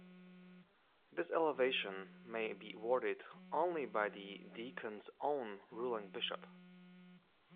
This elevation may be awarded only by the deacon's own ruling bishop.